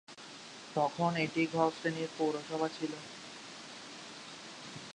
তখন এটি গ শ্রেণীর পৌরসভা ছিল।